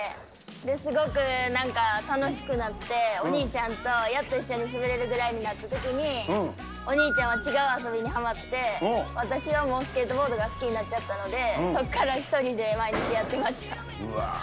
すごくなんか楽しくなって、お兄ちゃんとやっと一緒に滑れるくらいにおにいちゃんはちがうあそびにはまって、私はもうスケートボードが好きになっちゃったので、そこから１人で毎日やってました。